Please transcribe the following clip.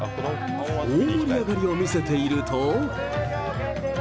大盛り上がりを見せていると。